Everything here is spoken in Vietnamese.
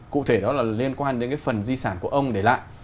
cụ thể đó là liên quan đến cái phần di sản của ông để lại